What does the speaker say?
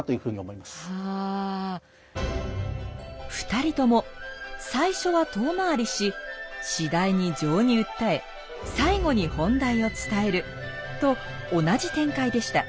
２人とも最初は遠回りし次第に情に訴え最後に本題を伝えると同じ展開でした。